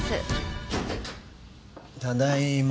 ただいま。